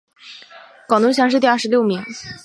广东乡试第六十二名。